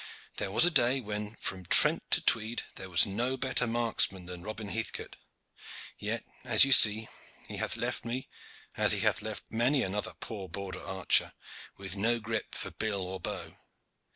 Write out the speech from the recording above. "There was a day when, from Trent to Tweed, there was no better marksman than Robin Heathcot. Yet, as you see, he hath left me, as he hath left many another poor border archer, with no grip for bill or bow.